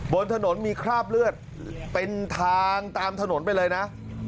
บนถนนมีคราบเลือดเป็นทางตามถนนไปเลยนะ